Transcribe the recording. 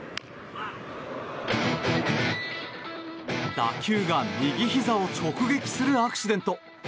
打球が右ひざを直撃するアクシデント。